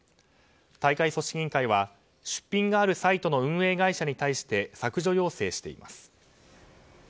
大会組織委員会は出品があるサイトの運営会社に対し削除要請しています。